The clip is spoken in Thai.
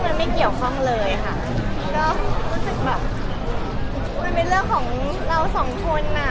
มันไม่เกี่ยวข้องเลยค่ะก็รู้สึกแบบมันเป็นเรื่องของเราสองคนอ่ะ